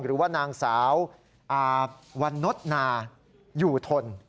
หรือว่านางสาววันนศนาอยู่ทน